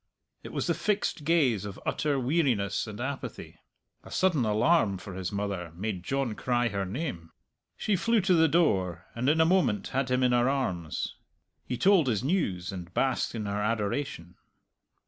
It was the fixed gaze of utter weariness and apathy. A sudden alarm for his mother made John cry her name. She flew to the door, and in a moment had him in her arms. He told his news, and basked in her adoration.